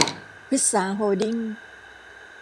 พฤกษา โฮลดิ้ง